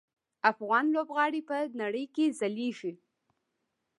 افغان لوبغاړي په نړۍ کې ځلیږي.